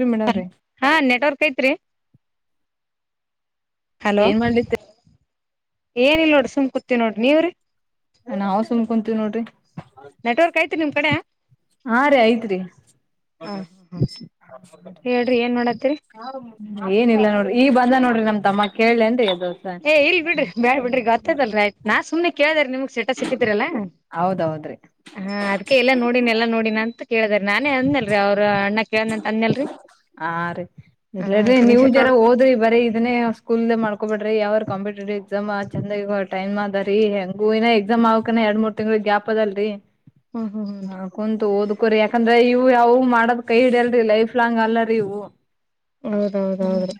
ರಿ ಹ ಮೇಡಮ್ರೀ ಹಾ ನೆಟ್ವರ್ಕ್ ಐತ್ರಿ ಏನ್ ಮಾಡ್ಲತ್ ಏನಲ್ ನೋಡ ಸುಮ್ ಕೂತಿವಿ ನೋಡ್ರಿ ನೀವ್ರಿ ನಾವ ಸುಮ್ ಕುಂತೀವಿ ನೋಡ್ರಿ ನೆಟ್ವರ್ಕ್ ಐತ್ರಿ ನಿಮ್ ಕಡೆ ಹಾ, ರಿ ಐತ್ರಿ ಹ ಹಾ ಹಾ ಹಾ ಹೇಳ್ರಿ ಏನ್ ಮಾಡತ್ತರಿ ಏನಿಲ್ಲ ನೋಡ್ರಿ ಈಗ ಬಂದ ನೋಡ್ರಿ ನಮ್ ತಮ್ಮ ಕೇಳಿ ಎನ್ರಿ, ಏ ಇರಲ್ ಬಿಡ್ರಿ ಬೇಡ್ ಬಿಡರಿ ಗೊತ್ತದಲ್ರಿ ಆಯ್ತ ನಾ ಸುಮನೆ ಕೇಳ್ದಾರೆ ನಿಮ್ಗ. ಸ್ಟಟ್ಟಸ ಇಟ್ಟಿದ್ರಲ್ಲಾ ಹೌದೌದ್ರಿ ಹಾ ಅದ್ಕೆಎಲ್ಲ ನೋಡಿನ ಎಲ್ಲಾ ನೋಡಿನ ಅಂತ. ಕೇಳದ್ರ ನಾನೇ ಅಂದನಲ್ರರಿ ಅವ್ರ ಅಣ್ಣ ಕೇಳ್ದ ಅಂತ ಅಂದನ ಲ್ರರಿ ಹಾ ರರಿ ಇಲ್ಲಾಡ್ರಿ ನೀವ ಜರ ಹೊಡ್ಕೊಂಡ್ ಹೋದ್ರಿ ಬರೀ ಇದನ್ನೇ ಸ್ಕೂಲ್ದ ಇಂದ ಮಾಡ್ಕೊಬೇಡ್ರಿ ಯಾವರ್ ಕಾಂಪೆಟೇಟಿವ್ ಎಕ್ಸಾಮ ಚಂದಾಗಿ ಟೈಮ್ ಅದಾರಿ ಹೆಂಗು ಇನ ಎಕ್ಸಾಮ್ ಆಗಕನ ಎರಡ್ ಮೂರ್ ತಿಂಗ್ಳ ಗ್ಯಾಪ್ ಅದಲ್ರರಿ ಹ್ಮ್ ಹ್ಮ್ ಹ್ಮ್ ಹಾ ಕುಂತು ಓದುಕೊರಿ ಯಾಕಂದ್ರೆ ಇವು್ ಯಾವಾಗ ಮಾಡದ್ ಕೈ ಹಿಡಿಯಲ್ರಿ ಲೈಫ್ ಲಾಂಗ್ ಅಲ್ಲರರಿ ಇವು ಹ್ಮ್ ಹೌದೌದೌದ್ರೀ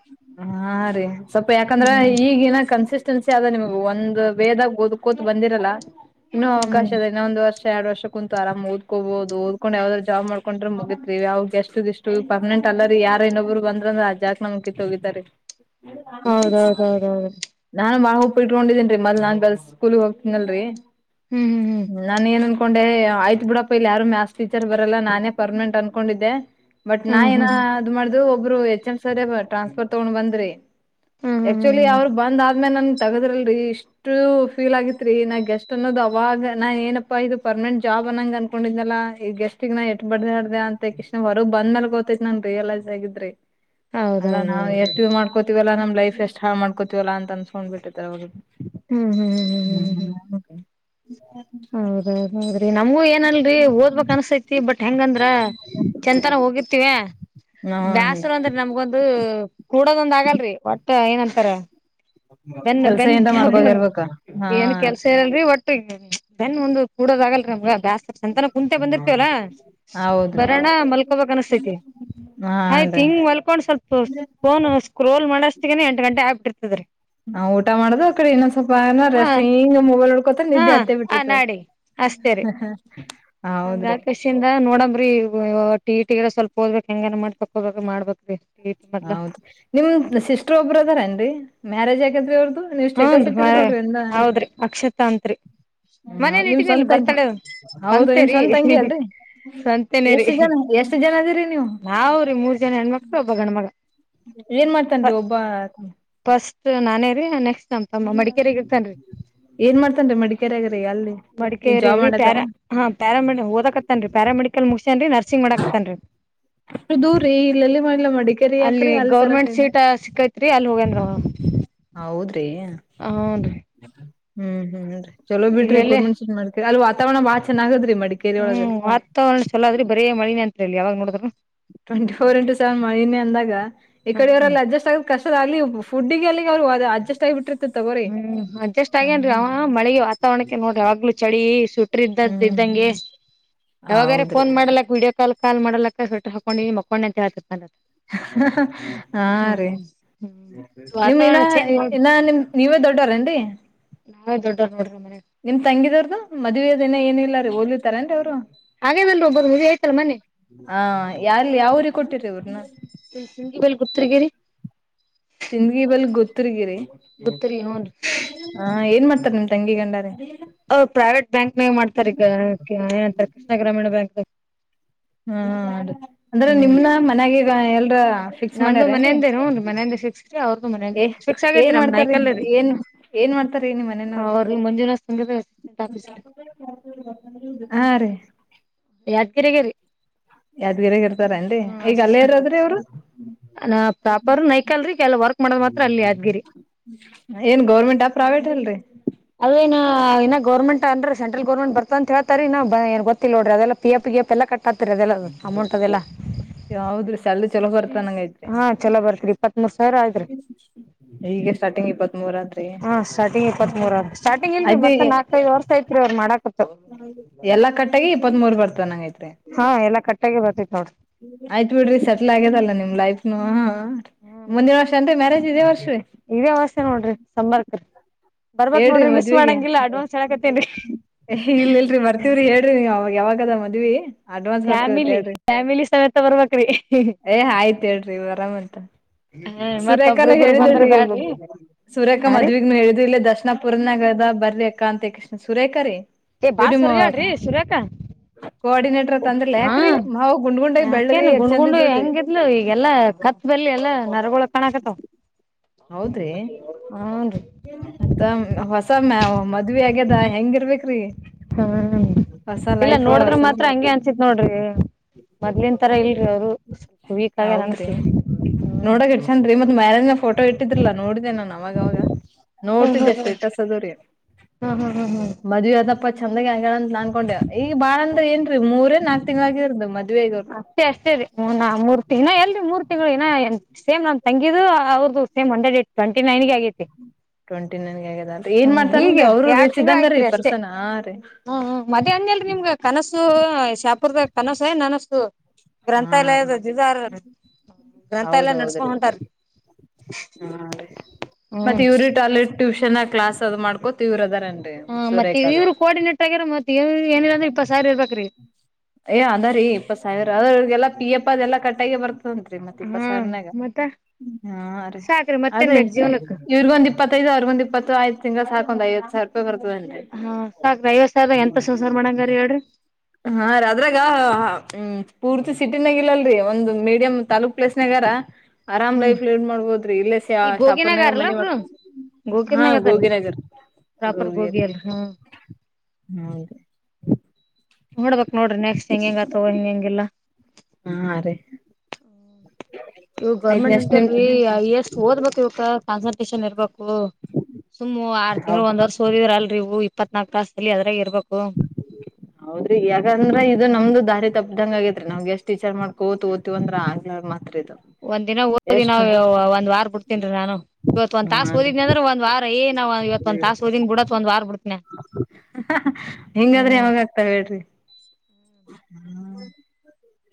ಹಾ ರೀ ಸ್ವಲ್ಪ ಯಾಕಂದ್ರ ಈಗಿನ ಕನ್ಸಿಸ ಟೆನ್ಸಿ ಆದ ನಿಮಗೆ ಒಂದು ವೇ ದಾಗ ಓದ್ ಕೂತ ಬಂದಿರಲ್ಲ ಇನ್ನೂ ಹ್ಮ್ ಅವಕಾಶ ಇದೆ ಇನ್ನ ಒಂದು ವರ್ಷ ಎರಡ್ ವರ್ಷ ಕುಂತು ಆರಾಮಾಗಿ ಓದ್ಕೊಬೋದು ಓದ್ಕೊಂಡು ಯಾವ್ದ್ರ ಜಾಬ್ ಜಾಬ್ ಮಾಡ್ಕೊಂಡ್ರೆ ಮುಗಿತ್ರಿವಿ ಇವ್ಯಾವ ಜೆಸ್ಟ್ ಗೆಸ್ಟ್ ಪರ್ಮನೆಂಟ್ ಅಲ್ಲರಿ ಯಾರ ಇನ್ನೊಬ್ರು ಬಂದ್ರಂದ್ರೆ ಆ ಜಾಗಕ್ ನಮ್ ಕಿತ್ತೋಗಿತರಿ ಹೌದೌದೌದೌದು,. ಕೊಂಡಿದೀನ್ರಿ ಮೊದಲು ನಾನು ಗರ್ಲ್ ಸ್ಕೂಲ್ ಹೋಗ್ತೀನಲ್ರಿ ಹ್ಮ್ ನಾನು ಅನಕೊಂಡೆ ಆಯ್ತ್ ಬಿಡಪ್ಪಾ, ಇಲ್ಲಿ ಯಾರು ಮ್ಯಾಥ್ಸ ಟೀಚರ್ ಬರಲ್ಲ ನಾನೇ ಪರ್ಮನೆಂಟ್ ಅನ್ಕೊಂಡಿದ್ದೆ. ಬಟ್ ನಾ ಹ್ಮ್ ಹ್ಮ್ ಏನ ಹ್ಮ್ ಮಾಡ್ದ್ರು ಒಬ್ಬರು ಹೆಚ್, ಎಂ ಸರ್ ಟ್ರಾನ್ಸ್ಫರ್ ತಗೊಂಡ್ ಬಂದ್ರ ರಿ. ಹ್ಮ್ ಹ್ಮ್ ಹ್ಮ್ ಹ್ಮ್ ಹ್ಮ್ ಹ್ಮ್ ಆಕ್ಚುಲಿ ಹ್ಮ್ ಅವರು ಬಂದ್ ಆದ್ಮೇಲೆ ನನ್ ತಗದ್ರಲ್ರಿ ಇಷ್ಟು ಫೀಲ್ ಆಗಿತ್ರಿ, ನಾನ ಗೆಸ್ಟ್ ಅನ್ನೋದು ಅವಾಗ ನಾನ್ ಏನಪ್ಪಾ ಇದು ಪರ್ಮನೆಂಟ್ ಜಾಬ್ ಅಂತ ಅನ್ಕೊಂಡಿದ್ದಲ್ಲ ಈಗ ಗೆಸ್ಟ್ ಇಷ್ಟಕ ನಾ ಎಷ್ಟ ಬಡ್ದಾಡಿದ ಅಂತ ಕೆಷಿಂದ ಹೊರಗ ಬಂದ ಮೇಲೆ ಗೋತ್ತೈತ ನನ್ಗ ರಿಯಲೈಸ್ ಆಗಿದ್ರಿ. ಅಲ್ಲಾ ನಾವು ಹೌದೌದೌದೌದು ಎಷ್ಟುಇದು ಮಾಡ್ಕೋತೀವಲ್ಲಾ, ನಮ್ ಲೈಫ್ ಎಷ್ಟ್ ಹಾಳ ಮಾಡ್ಕೋತೀವಲ್ಲಾ ಅಂತ ಅನ್ಸ್ಕೊಂಡ್ ಬಿಟ್ಟಚಅವಗ. ನ [inaudible] ಹೌದೌದ್ರೆ [unintelligible] ನಮಗೂ ಏನಲ್ರಿಓದ್ಬೇಕ್ ಅನ್ಸ್ತೈತಿ ಬಟ್ ಹೆಂಗಂದ್ರ ಚಂತಾನ ಹೋಗಿರ್ತಿವ್ಯಾ, ಹ್ಮ್ ಹ್ಮ್ ಬ್ಯಾಸರ ಅಂದ್ರಿ ನಮ್ಗೊಂದು ಕೂಡೋದೊಂದ ಆಗಲ್ರಿ ಒಟ್ಟ ಏನ್ ಅಂತಾರ ಬೆನ್ನು ಕೆಲ್ಸ -ಬೆನ್ನ ಏನ್ರ ಮಾಡ್ಕೋತ ಪ್ರಾಬ್ಲಮ್ ಇರ್ಬೇಕ ಏನ್ ಹಾನ್ ಕೆಲ್ಸ ಇರಲ್ರಿ ಒಟ್ಟ ಬೆನ್ನು ಒಂದ್ ಕೂಡೋದ ಆಗಲ್ರಿನಮಗ ಬ್ಯಾಸ್ರ ಚಂತಾನ ಕುಂತೆ ಬಂದಿರ್ತವಲ್ಲಾ ಹೌದ್ರಿ ಬರೋಣ ಮಲ್ಕೋಬೇಕ್ ಅನಸ್ತೈತಿ. ಆಯ್ತು, ಹಾನ್ರಿ ಹಿಂಗ್ ಹೊಲ್ಕೊಂಡ್ ಸ್ವಲ್ಪ ಫೋನ್ ಸ್ಕ್ರೋಲ್ ಮಾಡಸ್ತಗನೆ ಎಂಟು ಗಂಟೆ ಆಗಬಿಟ ಇರ್ತದ. ನಾವ್ ಊಟ ಮಾಡುದು ಅ ಕಡೆ ಇನ್ನೊಂದ ಸ್ವಲ್ಪ ಆಮೇಲೆ ಹಾ ರೆಸ್ಟ್ ಹಿಂಗ ಮೊಬಲ್, ಸ್ವಲ್ಪ ಹೊತ್ತಿಗೆ ಹಾ ನಿದ್ದೆ ಹತ್ತೇ ಆ ಬಿಟ್ಟಿತ್ರದ. ಹಂಗಹಾಗಿ ಕೆಷಿಯಿಂದ ನೋಡಂಬ್ರಿ ಟಿ, ಇ, ಟಿಗೆಲ್ಲ ಸ್ವಲ್ಪ, ಹ, ಓದಬೇಕ ಹೆಂಗನೆ ಮಾಡ್ ತಕೋಬೇಕ ಮಾಡ್ಬೇಕ್ರಿ, ಟಿ ಇ ಟಿ ಮೊದ್ಲ ಹೌದು, ನಿಮ್ ಸಿಸ್ಟ್ರ ಒಬ್ಬರು ಅದಾರೇಏನ್ರಿ ಮ್ಯಾರೇಜ್ ಆಗೆದ್ರಿ ಅವ್ರ್ದ. ನೀವ್ ಹೂನ್ ಸ್ಟೇಟಸ್ ಇಟ್ಟಿದ್ರೆ ರೀ ನೋಡ್ರಿ ಅದ್ನಾ, ಹೌದ್ರಿ ಅಕ್ಷತಾ ಅಂತ್ರಿ ಮನೇನ್ ನಿಮ್ ಇಟ್ಟಿನಲ್ಲಿ ಸ್ವಂತಂಗಿ, ಬರ್ತಡ ಹೌದು ನಿಮ್ ಸಂತೆರಿ ಸ್ವಂತಂಗಿ ಅಲ್ರಿ ಸಂತೆನೇ ಎಷ್ಟ ರೀ ಜನ, ಎಷ್ಟು ಜನ ಅದಿರಿ ನೀವು ನಾವ್ರೀ ಮೂರ್ ಜನ ಹೆಣ್ಮಕ್ಳು ಒಬ್ಬ ಗಂಡ್ಮಗ ಏನ್ ಮಾಡ್ತನ್ರಿ ಒಬ್ಬಾ,, ಫಸ್ಟ್ ನಾನೇ ರಿ ನೆಕ್ಸ್ಟ್, ನಮ್ ತಮ್ಮ ಹ್ಮ, ಮಡಿಕೇರಿಗ್ ಇರ್ತನ್ರಿ ಏನ್ ಮಾಡ್ತನ್ರಿ ಮಡಿಕೇರಿಗ ಅಲ್ಲಿ ಏನ್ ಜಾಬ್ ಮಡಿಕೇರಿಗರಿ ಮಾಡದಾರ ಪ್ಯಾರಾ ಹಾ, ಪ್ಯಾರಾ ಮೆಡಿಕಲ್ ಓದಕತ್ತನ್ರಿ. ಪ್ಯಾರಾಮೆಡಿಕಲ್ ಮುಗಸ್ಯನ್ರಿ ನರ್ಸಿಂಗ್ ಮಾಡಾಕತ್ತನ್ರಿ, ದೂರರಿ ಇಲ್ಲೆಲ್ಲಿ ಮಾಡ್ಲಾ ಮಾಡಕ್ಕೆ [unintelligible] ಅಲ್ಲಿ ಗೌರ್ಮೆಂಟ್ ಸೀಟ್ ಸಿಕ್ಕೈತ್ರಿ ಅಲ್ಲಿ ಹೋಗೇನ್ರಿ ಅವ್ನು. ಹೌದ್ರಿ ಹ್ಮ್, ಹ್ಮ್ ಚಲೋ ಬಿಡರಿ ಇಲ್ಲೆಲ್ಲಿ ಗೌರ್ಮೇಂಟ್ [unintelligible] ಜಾಬ್ ಮಾಡ ಅ ವಾವರಣ ಬಾಳ ಚನ್ನಾಗದರಿ. ಹ್ಮ್, ವಾತಾವರಣ ಚಲೋ ಆದ್ರಿ ಬರೇ ಮಳಿನೇ ಅತಾದರಿಇಲ್ಲಿ ಯಾವಾಗ ನೋಡಿದ್ರೂ. ಟ್ವೆಂಟಿ ಫೋರ್ ಇಂಟು ಸೆವೆನ್ ಮಳಿನೆ ಅಂದಾಗ. ಈ ಹ್ಮ್ ಕಡೆಯವರಲ್ಲಿ ಅಡ್ಜಸ್ಟ್ ಆಗಾಕ ಕಷ್ಟ ಅಲ್ಲಿ ಫುಡ್ಡಿಗೆ ಅಲ್ಲಿ., ಅವ ಅಡ್ಜಸ್ಟ್ ಆಗಿಬಿಟ್ಟಿದ್ದಾರೆ. ಹ್ಮ್, ಅಡ್ಜಸ್ಟ್ ಆಗೇನ್ರಿ. ಅವನುಮಳೆಗೆ ವಾತಾವರಣಕ್ಕೆ ನೋಡ್ರಿ ಯವಗ್ಲು ಚಳಿ ಸ್ವೇಟರ್ದ ಇದ್ದದ ಹ್ಮ್ ಇದ್ದ್ಂಗ. ಯಾವಾಗಾರ ಹೌದ್ರಿ ಫೋನ್ ಮಾಡಲಕ್ ವೀಡಿಯೋ ಕಾಲ್ ಕಾಲ್ ಮಾಡಲಕ್ ಸ ಹಾಕೊಂಡು ಮಕ್ಕೊಂಡ್ ಅಂತ ಹಳ್ತತಿ ಮದದ ಹಾ ರೀ ಹ್ಮ್ ನಿಮ್ ಇನ್ನ ನೋಡ್ರಿ ಇನ್ನ ನಿಮ್ ನೀವೇ ದೊಡ್ಡರೇನ್ರಿ, ನಾವೇ ದೊಡ್ಡೋರ್ ನೋಡ್ರಿ ಮನ್ಯಾಗ ನಿಮ್ ತಂಗಿದವ್ರದು ಮದಿವಿ ಅದು ಏನಿಲ್ಲ ರೀ ಓದಲತಾರೇನ್ರಿ ಅವ್ರು. ಹಾಗೇನಲ್ರಿ ಒಬ್ಬರ್ ಮದ್ವಿ ಆಯ್ತಲ್ಲ ಮನ್ನಿ ಹ ಯಾರ್ಲ್ ಯಾವೂರಿಗೆ ಕೊಟ್ಟಿರಿ ಅವ್ರು, ಇಲ್ಲಿ ಸಿಂಗಿ ಬಲ್ ಗುತ್ತಗಿರಿ ಸಿಂದ್ಗಿ ಬಲ್ಲಿ ಗತ್ತರಿಗಿ. ಗುತ್ತರಿ ಹೂನ್ರಿ ಆ ಏನ್ ಮಾಡ್ತಾರ ನಿಮ್ ತಂಗಿ ಗಂಡಾ. ಹ್, ಪ್ರೈವೇಟ್ ಬ್ಯಾಂಕ್ನಾಗ ಮಾಡ್ತಾರಿ ಈಗ ಏನಂತಾರ ಕೃಷ್ಣ ಗ್ರಾಮೀಣ ಬ್ಯಾಂಕ್. ಹ್ಮ, ಅಂದ್ರೆ ಹ್ಮ್ ನಿಮ್ನ ಮನ್ಯಾಗ ಈಗ ಎಲ್ರ, ನಮ್ದು ಮಾಡ್ಯಾರ ಏನ್ರಿ ಮನೆಯಿಂದೇನು ಹೂನ್ರಿ ಮನೆಯಿಂದ ಫಿಕ್ಸ್ ರೀ ಅವ್ರದು ಮನೆಯಿಂದ ಫಿಕ್ಸ್ ಫಿಕ್ಸ್ ಏನ್ ಆಗೈತ್ರಿ ನಮ್ದ್ ಮಾಡ್ತಾರೀ ನಾಯ್ಕಲ್ ರೀ ಏನ್, ಏನ್ ಮಾಡ್ತಾರೆ ನಿ ಮನೆಯವರು ಅವ್ರ ಮಂಜುನಾಥ್ ಸಂಗದ ಅಸಿಸ್ಟೆಂಟ್ ಆಫೀಸರ್ ಹಾ, ರೇ ಯಾದಗಿರಿ ಯಾದ್ಗಿರಯಾಗ ಇರ್ತಾರನ್ರಿ ಈಗ ಅಲ್ಲೇ ಇರದ್ರಿ ಅವ್ರು ನ ಪ್ರಾಪರ್ ನಯಕಲ್ರಿೀ ಕೆಲ ವರ್ಕ್ ಮಾಡದ್ ಮಾತ್ರ ಅಲ್ಲಿ ಆದದ್ಗಿರಿ ಏನ್ ಗೌರ್ಮೆಂಟ್ಾ ಪ್ರೈವೇಟ್ ಅಲ್ರರಿ ಅದೇಏ ಇ ಗರ್ೆಂಟ್ ಅನ್್ರ ಸೆಂಟಲ್ ಗರ್ಮೆಂಟ್ ಬರ್ತ ಅಂತ ಹೇತಾರೆ ಇ ಏ ಗೊತ್ತಿಲ್ಲ ನೋಡ್ರ ಅದೆಲ್ಲ ಪ ಎಫ ಪಿ ಎಫ ಎಲ್ಲ ಕಟ್ಟ ಯಾವದ್ರೀ ಸಲ್ ಚಲೋ ಬರ್ತ ನಂಗ ಹಾ ಚಲೋ ಬರ್ತ್ರಿ ಇಪ್ಪತ್ ಮೂರ್ ಸಾವಿರ ಆಯ್ತ್ರಿ ಹೀಗ ಸ್ಟಾರ್ಟಿಂಗ್ ಇಪ್ಪತ್ತು ಹಾ ಸ್ಟಾರ್ಟಿಂಗ್ ಇಪ್ಪತ್ ಮೂರ ಸ್ಟಾರ್ಟಿಂಗ್ ಇಲ್ರಿ ಅದ ಮತ್ತ ನಾಕೈದ ವರ್ಷ ಐತ್ರಿ ಅವ್ರ ಮಾಡಾಕತ್ ಎಲ್ಲಾ ಕಟ್ಟೆಗೆ ಇಪ್ಪತ್ತ್ ಮೂರ್ ಬರ್ತ ನಂಗ ೈತ್ೆ ಎಲ್ಲ ಕಟ್ಟಾಗಿ ಬರ್ತಿ ನೋಡ್ರಿ ಆಯ್ತ್ ಬಿಡ್ರಿ ಸೆಟ್ಲ್ ಆಗ್ಯದಲ್ಲ ನಿಮ್ ಲೈಫ್ನು ಮುಂದಿನ ವರ್ಷ ಅಂದ್ರೆ ಮ್ಯಾರೇಜ್ ಇದೇ ವರ್ಷ ರೀ ಇದೆ ವರ್ಷ ನೋಡ್ರಿ ಸಂಬರ್ಕ್ರೀ ಹೇಳ್ರಿ ಮದ್ವೆಗೆ ಹೇಳಕತ್ತೇನ್ರಿ ಇಲ್ ಇಲ್ರಿ ಬರ್ತವ್ರಿ ಹೇಳ್ರಿ ನೀಗ ಯಾವಾಗ ದ ಮದುವೆ ಅಡ್ವಾನ್ಸ್ ಬರ್ತೀವ ಫ್ಯಾಮಿಲಿ ಹೇಳ್ರಿ ಫ್ಯಾಮಿಲಿ ಸಮೇತ ಬರ್ಬೇಕ್ರಿ ಏ ಆಯ್ತ್ ಹೇಳ್ರಿ ಆರಾಮಂತ ಹ ಮತ್ ಸುರೇಖಾನ ಒಬ್ರಿಬ್ಬರು ಬಂದ್ರ ಹೇಳಿದಡ್ರಿ ಬ್ಯಾಡ್ರಿ ಸುರೇಖಾ ಹಾ ರೀ ಮದ್ಗ್ನು ಹೇಳಿದ ಇಲ್ಲೇ ದರ್ಶನ ಪುರ ನಗರದ ಬರ್ರ ಅ ಕಾಂತಿ ಕೃಷ್ಣ ಸುರೇಖ ರ ಏ ಬಾಸ್ ಹೊರ್ಗ್ಯಾಡ್ರಿ ಸುರೇಖಾ ಕೋಆರ್ಡಿನೇಟರ್ ತಂದ್ರಲ ಹಾ ಯಾಕ್ರೀ ಮಾವು ಗುಂಡ್ ಗುಂಡಾಗಿ ಬೆಳ್ಳಗೆ ಯಾಕೇನು ಎಷ್ಟ್ ಗುಂಡ್ ಚಂದ ಗುಂಡು ಇದ್ದೋಳ್ರಿ ಹೆಂಗಿದ್ಲು ಈಗೆಲ್ಲಾ ಕ ಷ್ಟದಲ್ಲಿ ಎಲ್ಲ ನರಗೊಳ ಕಣಾಕತಾವ ಹನ್ ಅದ ಹೊಸ ಮ್ಯ ಮದ್ವಿ ಆಗ್ಯದ ಹೆಂಗ ಇರ್ಬೇಕ್ರಿ ಹ್ಮ ಇಲ್ಲ ನೋಡಿದ್ರ ಮಾತ್ರ ಹಂಗೆ ಅನ್ಸಿತ್ ನೋಡ್ರಿ ಮೊದ್ಲನ್ ತರ ಇಲ್ ಹ ಹೌದ್ರಿ ನೋಡಗ ಚಂದ್ ಮತ್ ಮ್ಯಾರೇಜ್ ಫೋಟೋ ಇಟ್ಟಿದ್ರಲಾ ನೋಡಿದೆೇ ನಾ ಅವಾಗಾಗ ಹ್ಮ್ ನೋಡ್ತಿದ್ದೆ ಹ್ಮ್ ಹ್ಮ್ ಸ್ಟೇಟಸ್ ಅದು ರೀ ಹ್ಮ್ ಹ್ಮ್ ಹ್ಮ್ ಹ್ಮ್ ಮದ್ವೆದ ಾ ಚಂದಗೆ ಅಂಗಗಳ ಅಂತ ಅನ್ಕೊಂಡೇವ ಈಗ ಬಾಳಂದ್ರೆ ಏನ್ರಿ ಮೂರ ನಾಕ್ ತಿಂಗಗಳಾಗಿ ಇರೋ ಮೆ ್ವೇಗರ್ ಸರಿ ಹ ಮೂರ್ ತಿ ಎಲ್ರಿ ಮೂರ್ ತಿಂಗಳು ಸೇಮ್ ನಮ್ ತಂಗಿದು ಅವ್ರದದು ಸೇಮ್ ಒಂದೇ ಡೇಟ್ ಟ್ವೆಂಟಿೈನ್ಗೆ ಆಗೈತಿ ಟ್ವೆಂಟಿ ನೈನ್ಗೆ ಆಗ್ಯದ ಅಂತ ಏನ್ ಹ್ಮ್ ಈಗ ಮಾಡ್ತಾರನ್ರಿ ಅವರು ರೀಚ್ ಇದಂಗ ರೀ ಪರ್ಸನ್ ರೀ ಹ್ಮ ಮದೆ ಅಂದಲ್ರಿ ನಿಮ್ಗ ಕನಸು ಶಾಪುರ್ದಾಗ ಕನಸು ನನಸು ಹಾ ರೀ ಗ್ರಂಥಾಲಯದ ಜಾರ್ರೀ ಗ್ರಂಥಾಲಯ ನಡ್ಸ್ಕೋ ಹೌದೌದ್ರಿ ಹೊಂಟಾರೀ ಹಾ ಮತ್ತೆ ಇವ್ರಟಾಯ್ಲೆಟ್ ಟ್ಯೂಷನ್ ಕ್ಲಾಸ್ ಅದ್ ಮಾಡ್ಕೊತ ಇವ್ರ ಅದಾರ ಹಾ ಮತ್ತೆ ಇವ್ರು ಕೋಆಡೇರ್ ಆಗ್ಯಾರ ಮತ್ತತ್ವ ಏನಿಲ್ಲರಂದ್ರ ಇಪ್ಪತ್ ಸಾರಿ ಇರ್ಬೇಕ್ರೀ ಏ ಅದಾರಿ ಇಪ್ಪತ್ ಸಾವಿರ ಅದ್ರರಿಗೆಲ್ಲ ಪಿ ಅಪ್ಪ ಅದೆಲ್ಲ ಕಟ್ಟಾಗಿ ಬರ್ತ ಉಂ ರರಿ ಮತ್ತೆ ಇಪ್ಪ ಹ್ಮ್ ಸರ್ನಾಗ ಮತ್ತ ಹಾ ರೀ ಸಾಕ್ರಿ ಮತ್ತೇನ್ ಅದೇ ಬೇಕ್ ಜೀವನಕ್ ಇವ್ರಗೊಂದ್ ಇಪ್ಪತ್ತೈದು ಅವ್ರಗೊಂದ್ ಇಪ್ಪತ್ತು ಆಯ್ತು ಸಿಂಗ ಸ ಸಾಕ ಒ ಐವತ್ತು ಸಿ ರಪ ಹಾ ಸಾಕ್ರ ಐವತ್ ಸಾವಿರ ಎಂತ ಸಂಸಾರ ಮಾಡಂಗರಿ ಹೇಳ್ರಿ ಹ ಹ್ಮ್ ಪೂರ್ತಿ ಸಿಟಿನಾಗ ಇಲ್ಲಲ್ರರಿ ಒಂದು ಮೀಡಿಯಂ್ ತಾಾಲೂಕ್ ಪ್ಲೇಸ್ನಾಗಾರ ಆರಾಮ್ ಲೈಫ್ ಲಡ್ ಮಾಡ್ಬೋದ್ರಿ ಇಲ್ಲ ಸ ಈ ಶಹಪುರ್ನಾಗ ಗೋಗಿನಾಗಾರಲ್ಲ ಮನಿ ಅವ್ರು ಮಾಡ್ಕ ಹಾ ಗೋಗಿನಗರ್ ಪ್ರಾಪರ್ಗೆ ಗೂಗಿ ಅ ಹ್ಮದು ನೋಡ್ಬಕ್ ನೋಡ್ರಿ ನೆಕ್ಸ್ಟ್ ಹೆಂಗ ಹೆಂಗ ಆತವ ಹಿಂಗ ಹೆಂಗಿಲ್ಲ ಹ ಇವ ಗೌರ್ಮೆಂಟ್ ಅಂತಲ್ರರಿ ಎಷ್ಟು ಓದ್ಬೇಕಕ್ ಇವ ಕಾನ್ಸಲ್ಟೇಷನ್ ಇರ್ಬೇಕು ಓಹ ಸುಮ್ಮ್ ಆರ್ ಹೌ ತಿಂಗಳು ಒಂದ್ ವರ್ಷ್ ಓದಿದ್ರ ಅಲ್ರಿೂ ಇಪ್ಪತ್ನಾಲ್ಕು ತಾಸದಲ್ಲಿ ಅದ್ರಾಗ ಇರ್ಬೇಕು ಹೌದ್ರಿ ಯಾಕಂದ್ರ ಇದು ನಮ್ದು ದಾರಿ ತಪ್ಪ್ದಂಗ ಆಗೇತ್ರಿ ನಾವ್ಗೆ ಎಷ್ಟಟ್ ಈಟಚರ್ ಮಾಡ್ಕೋತ ಓದುತಿವಿ ಅಂದ್ರ ಆಗ್ ಒಂದ್ ದಿನ ಓದಿನ ನಾವವು ಒಂದ್ ವಾರ ಬಿಡ್ತೀನ್ರೀ ನಾನು ಇವತ್ ಒಂದ್ ತಾಸ ಹಾನ್ರಿ ಓದಿದ್ನ ಅಂದ್ರೆ ಒಂದ್ ವಾರ ಏ ನಾ ಇವ ಒಂದ್ಾಸ ಓದಿನಿ ಬಿಡಾತ್ ಒಂದ ವಾರ್ ಬಿಡ್ತಿನ ಹೆಿಂಗಾದ್ರೆ ಯಾವಾಗ್ತಾವ ಹೇಳ್ರಿ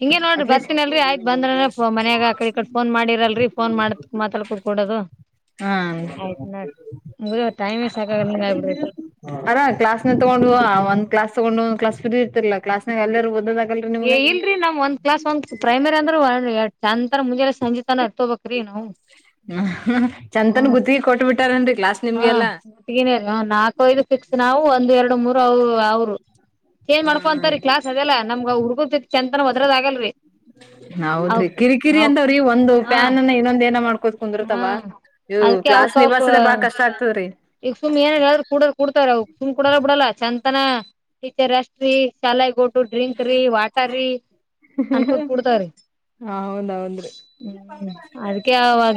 ಹಿಂಗಗೆ ನೋಡಿ ಅಟ್ಲೀಸ್ಟ್ ಬರ್ತೀನಲ್ರಿ ಆಯ್ತ ಬಂದ್ರ ಮನ್ಾಗ ಹಕಕಡಿ ಕಡೆ ಫೋನ್ ಮಾಡಿರಲ್ರಿ ಫೋನ್ ಮಾಡತ್ಕ್ ಮಾತಾ ಕೊಡ್ಕಿ ಕಡದು ಹಾ ಟೈಮೇ ಸಾಕಾಗಲ್ಲ ಹಿಂಗ ಆಗ್ಬಿಡ್ತೈತಿ ಅರ ಕ್ಲಾಸ್ ನ ತಗೊಂಡ ಒಂದ ಕ್ಲಾಸ್ ಒಂದು ಒಂದು ಕ್ಲಾಸ ಫ್ರಿ ಇರ್ಲ್ಲ ಕ್ಾಸ್ ನ ಅಲ್ಲರ ಓದ ಏ ಇಲ್ರರಿ ನಮ್ ಒಂದ್ ಕ್ಲಾಸ್ ಒಂದ್ ಪ್ರೈಮರಿ ಅಂದ್ರೆ ಒಂತರಂೆ ಮುಗಿಯೋದ್ ಸಂಜ ತಾನ ಅರ್ತೋ ಬಕ್ರೀ ನವು ಹ್ಮ ಚಂತನ್ ಗುತ್ತಿಗೆ ಕೊಟ್ಟ ಬಿಟ್ಟಾರನ್ರಿ ಕ್ಲಾಸ್ ಹಾ ನಿಮ್ಗೆಲ್ಲಾ ಊಗೆನರಿ ನಾಲ್ಕ ಐಧು ನಾವು ಒಂದ್ ಎರಡು ಮೂರು ಅವರು ಅವ್ರು ಚೇಂಜ್ ಹಾ ಮಾಡ್ಕೊಂತರಿ ಕ್ಲಾಸ್ ಅದೆಲ್ಲ ಹ ಚಂತನ ಒದ್ರದ ಆಗಲ್ರಿ ಹೌದ್ರಿ ಅವಕ್ ಕಿರಿಕಿರಿ ಅವಕ್ ಅಂದಾವ್ರೀ ಒಂದು ಹಾ ಪ್ಯಾನ್ ಅನ್ನ ಇನ್ನೊಂದ ನ ಮಾಡ್ಕ ಕುತ್ ಹಾ ಕುಂದಿರ್ತವ ಇವು ಅದಕ್ಕೆ ಕ್ಲಾಸ್ ಅವಕ್ ಅವಕ್ ನಿಭಾಸದೆ ಬಾಳ ಕಷ್ಟ ಆಗ್ತದ್ರೀ ಈಗ ಸುಮ್ಏನ್ ಹೇಳೂಡ ಕುಡ್ಾರೆ ಅವ ಸುಮ್ ಕಡಲ್ಲ ಬಿಡಲ್ಲ. ಅಂತನ ಟೀಚರ್ ರೆಸ್ ರೀ ಶಾಲ ಗಟ್ಟು ಡ್ರಿಂಕ್ ರೀ ವಾಟರ್ ರೀ ಅನ್ಕೊಂಡ ಕುಡ್ತವ್ರೀ ಹಾ ಹೌದರಿ ಅದಕ್ಕೆ ಅವಾಗ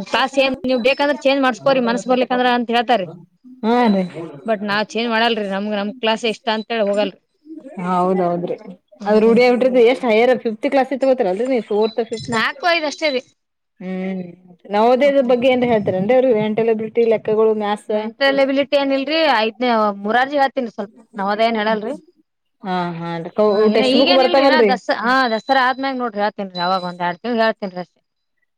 ಒಂದು ಬ ಬರ್ಲಿ ಅಂದ್ರ ಅಂತ ಹೇಳ್ತಾರೆ ಬಟ್ ನಾವ್ ಚೇಂಜ್ ಮಾಡಲ್ರಿ ನಮ್ಗ ನಮ ಕ್ಲಾಸ್ ಎಷ್ಟ ಅಂತೇಳಿ ಹೋಗಲ್ರಿ. ಹೌದೌದ್ರಿ ಅದ್ರ ಹ್ಮ್ ರೂಡಿಯಗಿ ಬಿಟ್ರ ಎಷ್ಟ್ ಹೈಯರ್ ಫಿಫತ್ ಕ್ಲಸ್ ಅಲ್ರಿ ನೀ ಫೋರ್ತ್ ಫಿಫತ್ ನಾಲ್ಕು ಐದ್ ಅಷ್ಟೇ ರೀ ಹ್ಮ್ ನೌದೇದ ಹ್ಮ್ ಬಗ್ಗೆ ಏನ್ ಹಳ್ತ ರೆಂಡಾ ಮೆಂಟಾಲ್ ಎಬಿಲಿಟ ಇಲ್ಲಾ ಮೆಂಟಲ್ ಎಬಿಲಿಟಿ ಏನಿಲ್ರರಿ ಐದ್ನ ಮೂರಜಿ ಗತ್ತಿಲ್ಲ ಸ್ವಲ್ಪ ನಾವ ಅದ ಏನ್ ಹೇಳಲ್ರರಿ ಹಾ ಹಾ ಹ್ ಇ ಟೆಕ್ಸ್ಟ್ ಬುಕ್ ಈಗೇಏನ್ಲ್ರಿ ಇ ನ ಬರ್ತಾವಲ್ರರಿ ದಸ ಹಾ ದಸರಾ ಆದ್ಮ್ಯಾಗ ನೋ್ರಿ ಹೇಳ್ತೇನ್ರಿ ಯಾವಾಗ ಒಂದ್ರಡ್ ತಿನ್ ಹೇಳ್ತಿ ತಿನ್ರಿ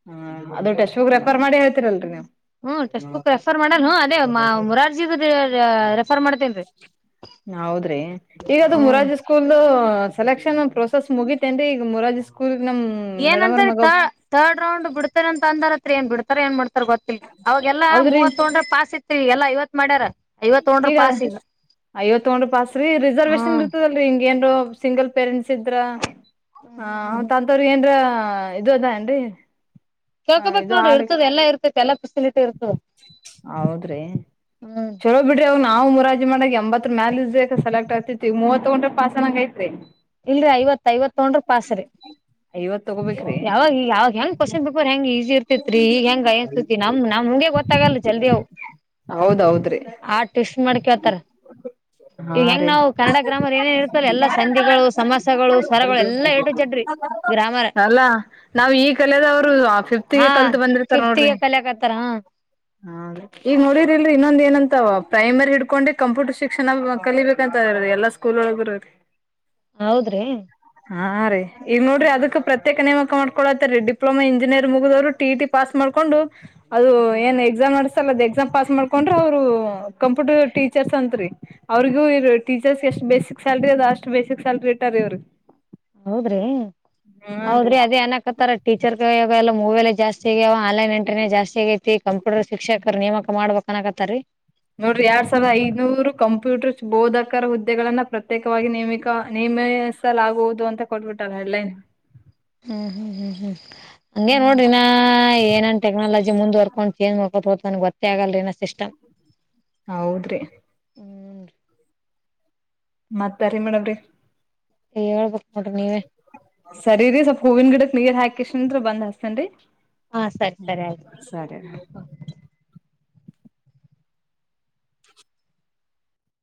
ಹ್ಮ ಅದ ಟೆಶೂಗ್ ರೆಫರ್ ಮಾಡಿ ಹೇತೀರಲ್ರರಿ ನೀವು ಹ್ಮ ಟೆಕ್ಸ್ಟ್ ಬುಕ್ ರೆಫರ್ ಮಾಡಲ್ ಅದೇ ಮುರಾರ್ಜಿ ರೆಫರ್ ಮಾಡ್ತೇನ್ೀ ಹೌದ್ರಿ ಈಗದು ಮುರಾಜ ಸ್ಕೂಲ್ದು ಸೆಲೆಕ್ಷನ್ ಪ್ರೊಸೆಸ್ ಮುಗಿತೇನ್ರಿ ಈಗ ಮುರಾರಜಿ ಸ್ಕೂಲ್ ಏನಂತಾರೆ ತರ್ಡ್ ರೌಂಡ್ ಬಿಡ ಅಂತ ಅಂದಾರತ್ರ ಏನ್ ಬಿಡ್ತಾರೆ ಏನ್ ಮಾಡ್ತಾರ ಗೊತ್ತಿಲ್ಲ ಅವಾಗಲ್ಲಾ ಹೌದ್ರಿ ಮೂವ ತೊೊಂಡ್ರೆ ಪಸ್ ಇದ ಈಗೆಲ್ಲಾ ಐವತ್ ಮಾಡ್ಯಾರ ಐವತ್ ತೊಗೊಂಡ್ರ ಈಗ ಪಾಸ್ ಐವತ್ ತಗೊಂಡ್ರು ಪಸ್್ರೀ ರಿಸರ್ವೇೇಶನ್ ಹ್ಮ್ ಇರ್ತದಲ್ರಿ ಹಿಂಗ ಏನ್ ಸಿಂಗಲ್ ಪೇರೆಂಟ್ಸ್ ಇದ್ರ ತಂತವ್ರ ಏನ್ರ ಹಾ ಇದು ಅದೇನ್ರಿ ಕೇಳ್ಕಾಬೇಕು ನೋಡ್ರ ಇರ್ತದೆ ಎಲ್ಲ ಇರ್ತೈತೆ ಎಲ್ಲ ಹೌದ್ರಿ ಹ್ಮ್ ಚಲೋ ಬಿಡ್ರಿ ಅವ ನಾ ನಾವು ಮುರಾಜಿ ಮಾಡಾಗ ಎಂಬತ್ರ ಮ್ಯಾಲ ಸೆಲೆಕ್ಟ್ ಆಗ್ತಿತಿ ಮೂವತ್ಥೋಗೊಂಡ್ರೆ ಪಾಸ್ ಅಂಗ ಐತ್ರಿ ಇಲ್ರಿ ಐವತ್ ಐವತ್ತೊಂಡ್ರ ಪಾಸ್ರಿ. ಐವತ್ ತಗೋಬೇಕ್ರಿ ಯಾವಾಗ ಯಾವಾಗ ಹೆಂಗನ್ ಕ್ವೆಶ್ಚನ್ ಪೇಪರ್ ಬೇಕ್ರ ಹೆಂಗ ಈಸಿ ಇರ್ತ ಗತ್ರಿ ಈಗ ಹೆಂಗ ಏನ್ ಸ್ದತಿ ನಮ್ ನಮ್ಗೆ ಗೊತ್ತಾಗಲ್ಲ ಜಲ್ದಿ ಅವ್ ಹೌದೌದ್ರಿ ಆ ಟ್ವಿಸ್ಟ್ ಮಾಡ ಕೇಳತಾರ ಹಾ ಈ ಹೆಂಗ್ ರೀ ನಾವು ಕನ್ನಡ ಗ್ರಾಮರ್ ಏನೇನ್ ಇರ್ತಲ್ಲ ಎಲ್ಲಾ ಸಂಧಿಗಳು ಸಮಾಸಗಳು ಸ್ವರಗಳು ಎಲ್ಲಾ ಎ ಟು ಝೆಡ್ ರಿ ಗ್ರಾಮರ್ ಅಲ್ಲ ನಾವವು ಈ ಕಲದವರುಫ [unintelligible] ಿಗೆ ಹಾ ಕಲ್ತ್ ಬಂದ್ರತರ್ ನೋಡ್ರಿ ಫಿಫ್ತ್ಗೆ ಕಲಿಯಕತ್ತಾರ ಹಾ ಹ ಈಗ ನೋಡರಿ ಇಲ್ರಿ ಇನ್ನೊಂದ ಏನ ಪ್ರೈಮರಿ ಹಿಡ್ಕೊಂಡೆ ಕಂಪ್ಯೂಟರ್ ಶಿಕ್ಷಣ ಕಲಿಬೇಕಂತರಿ ಎಲ್ಲಾ ಸ್ಕೂಲ್ ಒಳರಿ ಹೌದ್ರಿ. ಹಾ ರೀ ಈಗ ನೋಡ್ರಿ ಅದಕ್ ಪ್ರತ್ಯೇಕ ನೇಮಕ ಮಾಡಕೊಳತ್ ರೀ ಡಿಪ್ಲೊಮಾ ಇಂಜಿನಿಯರ್. ಮುಗವ್ರು ಟಿ ಟಿ ಪಾಸ್ ಮಾಡ್ಕೊಂಡು. ಅದು ಏನ್ ಎಕ್ಸಾಮ್ ನಡೆಸ್ಸಲ್ಲ ಅದು ಎಕ್ಸಾಮ್ ಪಾಸ್ ಮಾಡ್ಕೊಂಡ್ರೆ ಅವ್ರು. ಕಂಪ್ಯೂಟರ್ ಟೀಚರ್ಸ್ ಅಂತತ್ರಿ ಅವ್ರಗೂ ಇ ಟೀಚರ್ಸ್ ಎಷ್ಟ ಬೇಸಿಕ್ ಸಲ್ರಿ ಅದು ಅಷ್ಟು ಬೇಸಿಕ್ ಸಲ್ರಿ. ಕಟ್ಟಾರೆ ಅವರು. ಹೌದ್ರಿ. ರೀ ಹೌದ್ರಿ ಅದ ಏನಕತ್ತಾರ ಟೀಚರ್ಗೆ ಎಲ್ಲ ಮೂವಿಯಲ್ಲ ಜಾಸ್ತಿ ಆಗಾವ ಆನ್ೈನ್ ಎಂಟ್ರೇ ಜಸ್ತಿ ಆೈಐತಿ ಕಂಪ್ಯೂಟರ್ ಶಿಕ್ಷಕರ ನೇಮಕ ಮಾಡ್ಬೇಕಕ್ ಅಕತ್ತ ರೀ. ನೋಡ್ರಿ ಎರಡ್ ಸಾವಿರದ ಐನೂರು ಕಂಪ್ಯೂಟರ್ ಬೋಧಕರ ಹುದ್ದೆಗಳನ್ನ ಪ್ರತ್ಯೇಕವಾಗಿ ನೇಮ ನೇಮಿಸಲಾಗುವುದು ಅಂತ ಕೊಟ್ಟಬಿಟ್ಟಲ್ಲ ಹೆಡ್ಲೈನ್. ಹ್ಮ್ ಹ್ಮ್ ಹ್ಮ್ ಹ್ಮ್ ಹಂಗಗೆ ಹ್ಮ್ ನೋಡ್ರಿನ ಏನನ್ ಟೆಕ್ನಾಲಜಿ ಮುಂದುವರ್ಕೊಂಡು ಚೇಂಜ್ಕನ ಗೊತ್ತ ಆಗಲ್ರಿ ಸಿಸ್ಟಮ್. ಹೌದ್ರಿ. ಹ್ಮ್ ಮತ್ತರಿ ಮೇಡವ್ರಿ. ಹೇಳ್ಬ ಸರಿರಿ ಸ್ವಲ್ಪ್ ಹೂವಿನ ಗಿಡಕ್ ನೀರ್ ಹಾಕಿಷ್ಟಂ ಬಂದ ಹಸ್ತೇನ್ರಿ. ಹಾ ಸರಿ ಸರಿ ಆಯ್ತು. ಹ ಸರಿ.